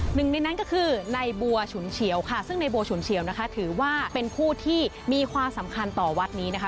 หนึ่งในนั้นก็คือในบัวฉุนเฉียวค่ะซึ่งในบัวฉุนเฉียวนะคะถือว่าเป็นผู้ที่มีความสำคัญต่อวัดนี้นะคะ